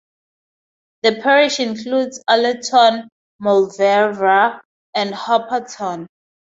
The parish includes Allerton Mauleverer and Hopperton.